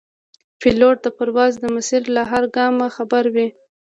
پیلوټ د پرواز د مسیر له هر ګامه خبر وي.